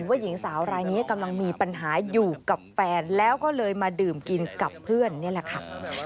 หญิงสาวรายนี้กำลังมีปัญหาอยู่กับแฟนแล้วก็เลยมาดื่มกินกับเพื่อนนี่แหละค่ะ